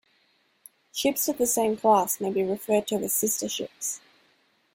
Ships of the same class may be referred to as sister ships.